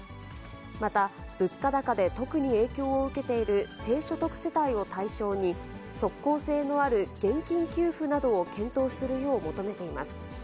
また、物価高で特に影響を受けている低所得世帯を対象に、即効性のある現金給付などを検討するよう求めています。